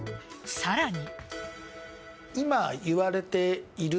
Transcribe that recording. さらに。